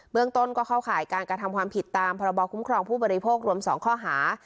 เมืองต้นก็เข้าข่ายการกระทำความผิดตามพรบคุ้มครองผู้บริโภครวม๒ข้อหา